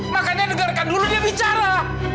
makanya dengarkan dulu dia bicara